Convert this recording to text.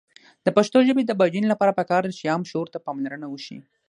د پښتو ژبې د بډاینې لپاره پکار ده چې عام شعور ته پاملرنه وشي.